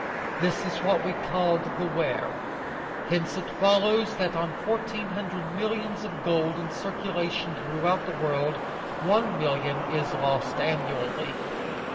This is what is called the Wear. Hence it follows that on fourteen hundred millions of gold in circulation throughout the world, one million is lost annually.